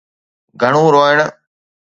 گهڻو روئڻ.